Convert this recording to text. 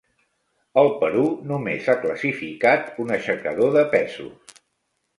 El Perú només a classificat un aixecador de pesos.